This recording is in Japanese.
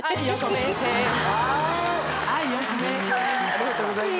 ありがとうございます。